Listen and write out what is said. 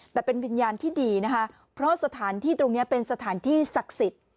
แต่เป็นวิญญาณที่ดีนะคะเพราะสถานที่ตรงนี้เป็นสถานที่ศักดิ์สิทธิ์